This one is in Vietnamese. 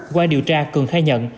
qua điều tra cường khai nhận